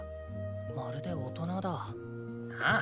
まるで大人だ。ああ。